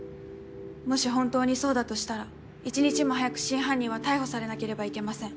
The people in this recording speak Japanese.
もし本当にそうだとしたら１日も早く真犯人は逮捕されなければいけません。